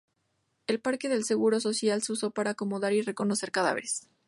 El Parque del Seguro Social se usó para acomodar y reconocer cadáveres.